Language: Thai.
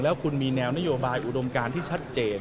แล้วคุณมีแนวนโยบายอุดมการที่ชัดเจน